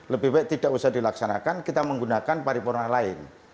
lebih baik tidak usah dilaksanakan kita menggunakan paripurna lain